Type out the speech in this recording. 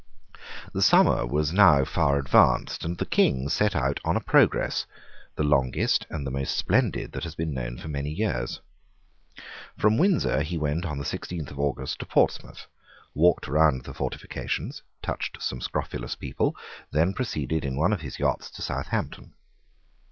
The summer was now far advanced; and the King set out on a progress, the longest and the most splendid that had been known for many years. From Windsor he went on the sixteenth of August to Portsmouth, walked round the fortifications, touched some scrofulous people, and then proceeded in one of his yachts to Southampton.